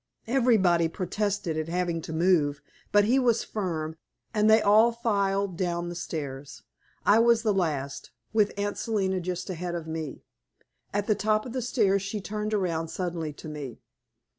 Everybody protested at having to move, but he was firm, and they all filed down the stairs. I was the last, with Aunt Selina just ahead of me. At the top of the stairs, she turned around suddenly to me.